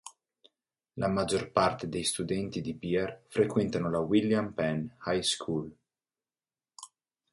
La maggior parte dei studenti di Bear frequentano la "William Penn High School".